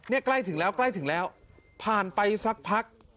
นี่ใกล้ถึงแล้วผ่านไปสักพัก